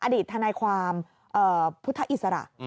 อดีตทนายความพุทธอิสระ